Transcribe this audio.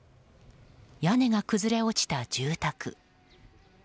屋根が崩れ落ちた住宅。